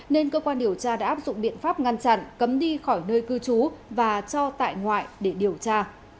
nên cơ quan điều tra đã áp dụng biện pháp ngăn chặn cấm đi khỏi nơi cư trú và cho tại ngoại để điều tra